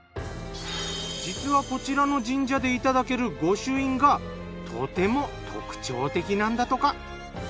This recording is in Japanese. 実はこちらの神社でいただける御朱印がとても特徴的なんだとか。